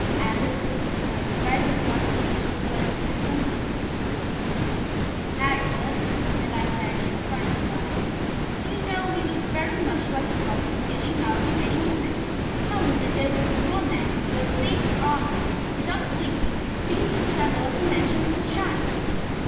Athos, in his turn, rising without speaking, went and unhooked his sword. "Heigh, sir," said D'Artagnan, trying to laugh, "do you know we look very much like a flock of silly, mouse evading women! How is it that we, four men who have faced armies without blinking, begin to tremble at the mention of a child?"